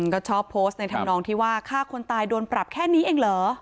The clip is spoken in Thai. ก็ชอบโพสต์ในธรรมนองที่ว่าฆ่าคนตายโดนปรับแค่นี้เองเหรอ